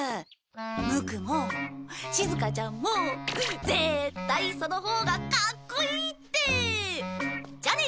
ムクもしずかちゃんも絶対そのほうがかっこいいって。じゃね。